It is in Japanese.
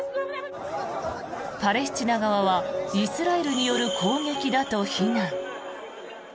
パレスチナ側はイスラエルによる攻撃だと非難。